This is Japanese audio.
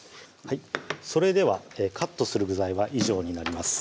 それではカットする具材は以上になります